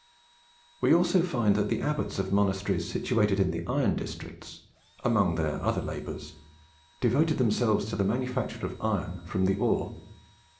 We also find that the abbots of monasteries situated in the iron districts, among their other labours, devoted themselves to the manufacture of iron from the ore.